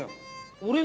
俺の。